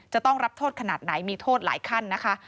จะต้องรับโทษขนาดไหนมีโทษหลายขั้นนะคะ